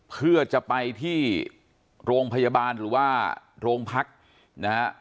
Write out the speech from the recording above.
เพื่อจะไปที่โรงพยาบาลหรือว่าโรงพักนะฮะ